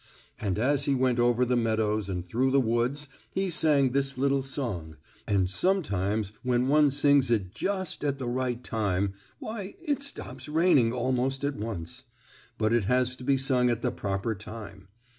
And as he went over the meadows and through the woods he sang this little song, and sometimes when one sings it just at the right time, why it stops raining almost at once. But it has to be sung at the proper time.